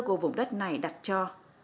của vùng đất này đặt cho